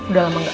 udah lama gak